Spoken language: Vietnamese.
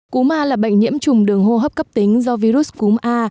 cúm a là bệnh nhiễm trùng đường hô hấp cấp tính do virus cúm a